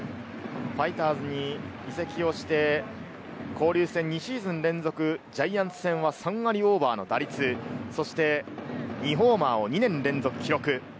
ファイターズに移籍をして、交流戦２シーズン連続、ジャイアンツ戦は３割オーバーの打率、そして２ホーマーを２年連続記録。